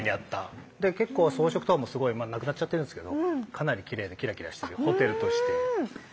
で結構装飾とかもすごい今無くなっちゃってるんですけどかなりきれいでキラキラしてるホテルとして。